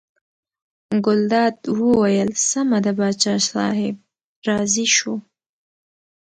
ګلداد وویل سمه ده پاچا صاحب راضي شو.